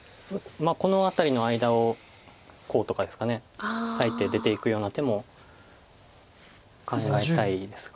この辺りの間をこうとかですか裂いて出ていくような手も考えたいですか。